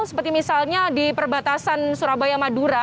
seperti misalnya di perbatasan surabaya madura